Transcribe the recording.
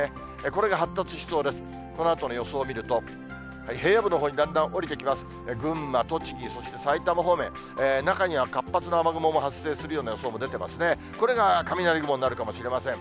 これが雷雲になるかもしれません。